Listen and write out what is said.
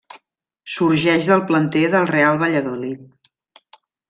Sorgeix del planter del Real Valladolid.